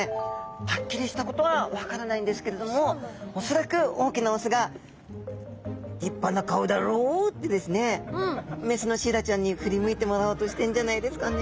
はっきりしたことは分からないんですけれども恐らく大きな雄が雌のシイラちゃんに振り向いてもらおうとしてんじゃないですかね。